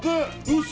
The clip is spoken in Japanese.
嘘！